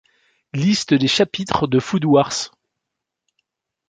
Liste des chapitres de Food Wars!